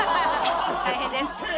大変です。